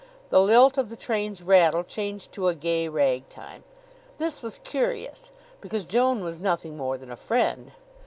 The lilt of the train's rattle changed to a gay ragtime. This was curious, because Joan was nothing more than a friend.